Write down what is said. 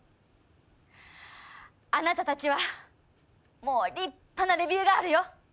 あなたたちはもう立派なレビューガールよ。